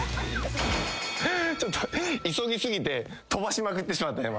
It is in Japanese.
ちょっと急ぎ過ぎて飛ばしまくってしまった。